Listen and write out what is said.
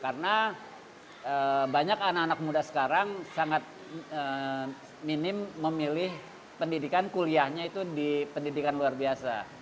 karena banyak anak anak muda sekarang sangat minim memilih pendidikan kuliahnya itu di pendidikan luar biasa